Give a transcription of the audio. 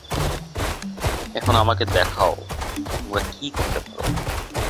এখন আমাকে দেখাও, তোমরা কি করতে পার।